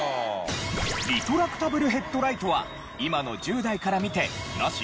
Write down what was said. リトラクタブルヘッドライトは今の１０代から見てナシ？